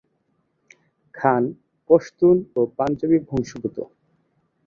খান পশতুন ও পাঞ্জাবি বংশোদ্ভূত।